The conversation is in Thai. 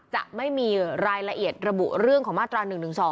จะไม่มีรายละเอียดระบุเรื่องของมาตรา๑๑๒